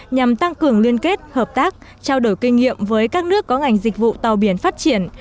nhằm tăng cường liên kết hợp tác trao đổi kinh nghiệm với các nước có ngành dịch vụ tàu biển phát triển